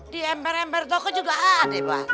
di ember ember toko juga ada pak